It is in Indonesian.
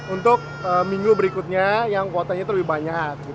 untuk minggu berikutnya yang kuotanya terlalu banyak